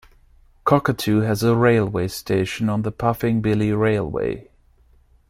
Cockatoo has a railway station on the Puffing Billy Railway.